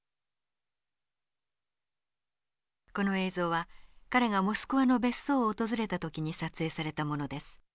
この映像は彼がモスクワの別荘を訪れた時に撮影されたものです。